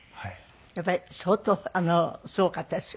やっぱり相当すごかったですよ。